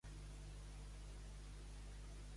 Qui és Protesilau en el mite grec?